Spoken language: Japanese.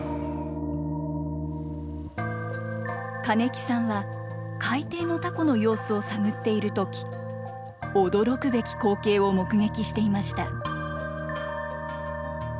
金木さんは、海底のタコの様子を探っているとき、驚くべき光景を目撃していました。